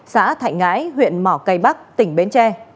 xã thạnh ngãi huyện mỏ cây bắc tỉnh bến tre